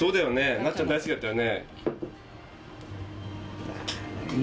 なっちゃん大好きだったよね。